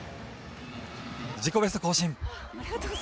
自己ベスト更新。